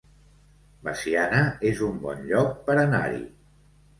Veciana es un bon lloc per anar-hi